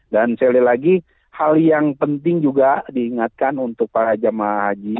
dan sekali lagi hal yang penting juga diingatkan untuk para jemaah haji